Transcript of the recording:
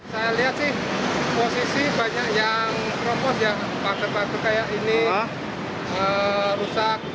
saya lihat sih posisi banyak yang keropos ya pagar pagar kayak ini rusak